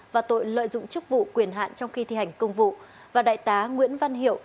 và tội lợi dụng chức vụ quyền hạn trong khi thi hành công vụ và đại tá nguyễn văn hiệu